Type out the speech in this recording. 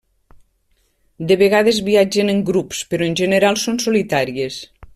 De vegades viatgen en grups però en general són solitàries.